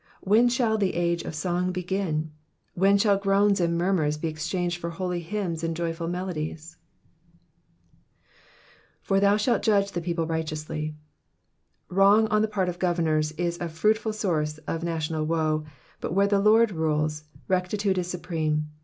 When shall the age of song begin ? When shall groans and murmurs be exchanged for holy hymns and joyful melodies ?For thou shalt judge the people righteously.''* Wrong on the part of governors is a fruitful source of national woe, but where the Lord rules, rectitude is supreme.